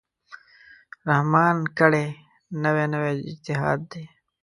رحمان کړی، نوی نوی اجتهاد دی